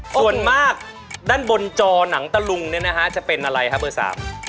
ส่วนมากด้านบนจอหนังตะลุงเนี่ยนะฮะจะเป็นอะไรครับเบอร์สาม